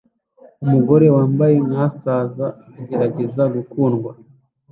Umugore wambaye nka saza agerageza gukundwa